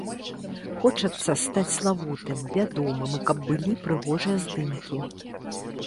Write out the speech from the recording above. Хочацца стаць славутым, вядомым і каб былі прыгожыя здымкі.